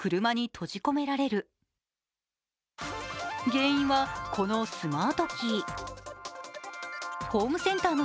原因はこのスマートキー。